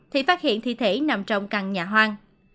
thì phát hiện thi thể nằm trong căn nhà hoang